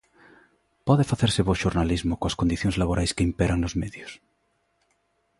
Pode facerse bo xornalismo coas condicións laborais que imperan nos medios?